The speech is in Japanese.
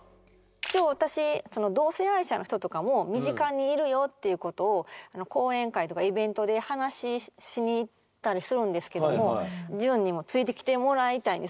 一応私同性愛者の人とかも身近にいるよっていうことを講演会とかイベントで話しに行ったりするんですけどもジュンにもついてきてもらいたいんですよ。